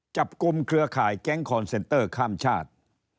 จับกลุ่มเครือข่ายแก๊งคอนเซนเตอร์ข้ามชาติ